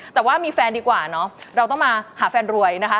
แต่ว่ามีแฟนดีกว่าเนาะเราต้องมาหาแฟนรวยนะคะ